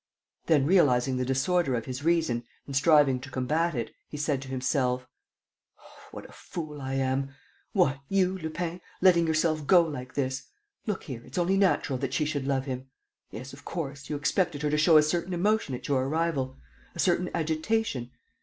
Then, realizing the disorder of his reason and striving to combat it, he said to himself: "What a fool I am! What, you, Lupin, letting your self go like this! ... Look here, it's only natural that she should love him. ... Yes, of course, you expected her to show a certain emotion at your arrival ... a certain agitation.